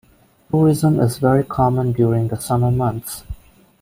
Tourism is very common during the summer months.